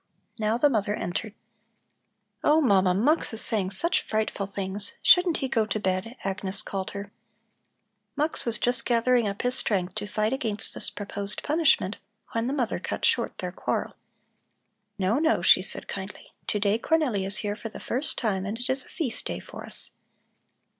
Now the mother entered. "Oh, Mama, Mux is saying such frightful things. Shouldn't he go to bed?" Agnes called to her. Mux was just gathering up his strength to fight against this proposed punishment, when the mother cut short their quarrel. "No, no," she said kindly. "To day Cornelli is here for the first time and it is a feast day for us.